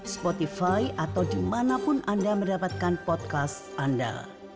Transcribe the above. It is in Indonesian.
spotify atau dimanapun anda mendapatkan podcast anda